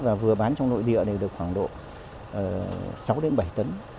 và vừa bán trong nội địa đều được khoảng độ sáu đến bảy tấn